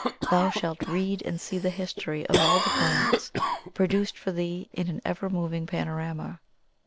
Thou shalt read and see the history of all the planets, produced for thee in an ever moving panorama.